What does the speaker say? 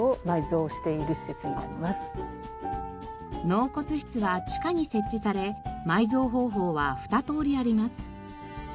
納骨室は地下に設置され埋蔵方法は２通りあります。